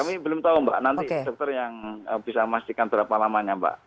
kami belum tahu mbak nanti dokter yang bisa memastikan berapa lamanya mbak